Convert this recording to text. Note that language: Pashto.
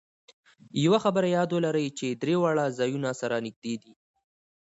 یوه خبره یاد ولرئ چې درې واړه ځایونه سره نږدې دي.